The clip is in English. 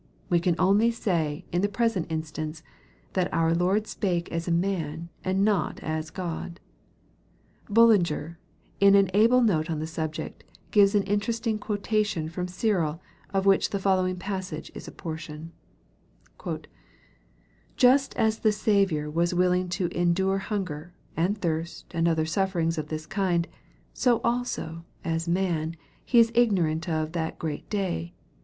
We can only say, in the present instance, that our Lord spake as a man, and not as God. Bullinger, iu an able note on the subject, gives an interesting quo tation from Cyril, of which the following passage is a portion :" Just as the Saviour was willing to endure hunger, and thirst, and other sufferings of this kind, so also, as man, He is ignorant of ' that great day.'